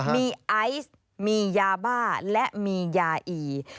มีไอซ์มียาบ้าและมียาอี